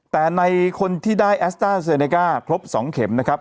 แต่ในคนที่ได้แอสต้าเซเนก้าครบ๒เข็มนะครับ